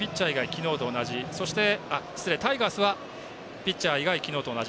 タイガースはピッチャー以外、昨日と同じ。